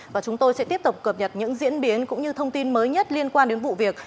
và chúng tôi sẽ tiếp tục cập nhật những diễn biến cũng như thông tin mới nhất liên quan đến vụ việc